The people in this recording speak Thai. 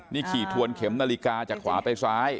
นี่ขี่ทวนเข็มนาฬิกาจากขวาไปซ้าย